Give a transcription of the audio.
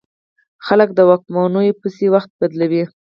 خلک د واکمنو پسې وخت بدلوي.